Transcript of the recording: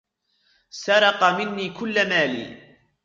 سرق مني كل مالي.